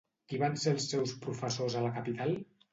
Qui van ser els seus professors a la capital?